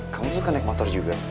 kami suka naik motor juga